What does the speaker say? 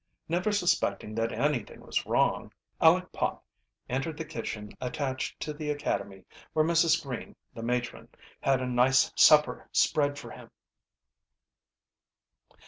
Never suspecting that anything was wrong, Aleck Pop entered the kitchen attached to the academy, where Mrs. Green, the matron, had a nice supper spread for him.